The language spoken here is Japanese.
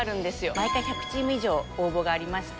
毎回１００チーム以上、応募がありまして。